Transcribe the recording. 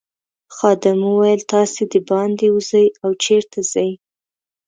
خادم وویل تاسي دباندې وزئ او چیرته ځئ.